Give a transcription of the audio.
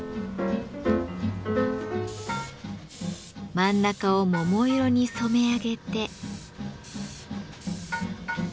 真ん中を桃色に染め上げて。